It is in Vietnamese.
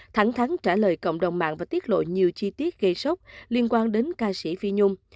thẳng thắng trả lời cộng đồng mạng và tiết lộ nhiều chi tiết gây sốc liên quan đến ca sĩ phi nhung